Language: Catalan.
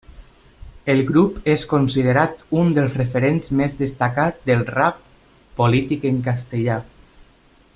El grup és considerat un dels referents més destacats del rap polític en castellà.